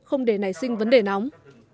không để nảy sinh vấn đề nóng